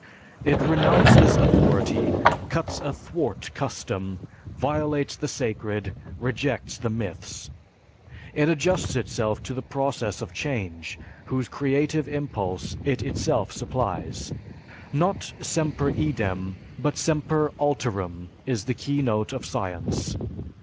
It renounces authority, cuts athwart custom, violates the sacred, rejects the myths. It adjusts itself to the process of change whose creative impulse it itself supplies. Not semper idem but semper alterum is the keynote of science.